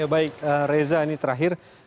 baik reza ini terakhir